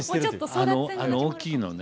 あの大きいのね